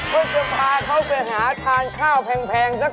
เพื่อจะพาเขาไปหาทานข้าวแพงสัก๓๐